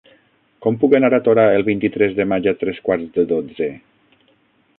Com puc anar a Torà el vint-i-tres de maig a tres quarts de dotze?